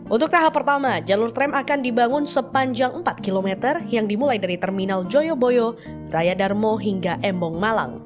untuk tahap pertama jalur tram akan dibangun sepanjang empat km yang dimulai dari terminal joyoboyo raya darmo hingga embong malang